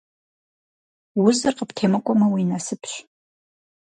Узыр къыптемыкӀуэмэ, уи насыпщ.